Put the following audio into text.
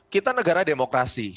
kita negara demokrasi